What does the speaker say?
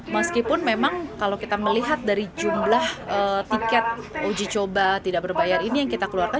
meskipun memang kalau kita melihat dari jumlah tiket uji coba tidak berbayar ini yang kita keluarkan